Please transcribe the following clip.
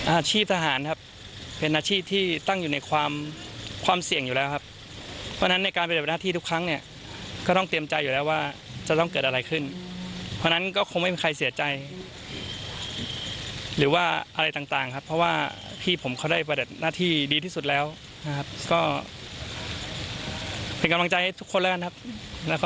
อาชีพทหารครับเป็นอาชีพที่ตั้งอยู่ในความความเสี่ยงอยู่แล้วครับเพราะฉะนั้นในการปฏิบัติหน้าที่ทุกครั้งเนี่ยก็ต้องเตรียมใจอยู่แล้วว่าจะต้องเกิดอะไรขึ้นเพราะฉะนั้นก็คงไม่มีใครเสียใจหรือว่าอะไรต่างครับเพราะว่าพี่ผมเขาได้ปฏิบัติหน้าที่ดีที่สุดแล้วนะครับก็เป็นกำลังใจให้ทุกคนแล้วกันครับแล้วก็